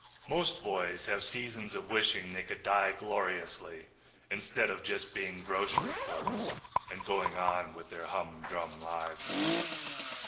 Most boys have seasons of wishing they could die gloriously instead of just being grocery clerks and going on with their humdrum lives.